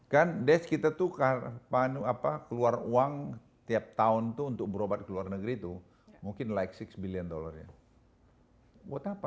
kan des kita tuh keluar uang tiap tahun untuk berobat di luar negeri tuh mungkin like enam billion dollar ya buat apa